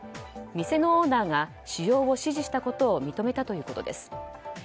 店のオーナーが使用を指示したことを認めたということです。